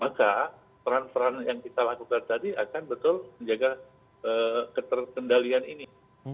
maka peran peran yang kita lakukan tadi akan betul menjaga keterkendalian ini